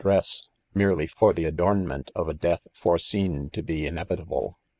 dress, merely for the adornment of a death foreseen to be ine vitable.